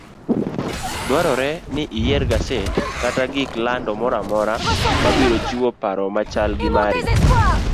Dwarore ni iyier gaset kata gik lando moramora mabiro chiwo paro machal gi mari.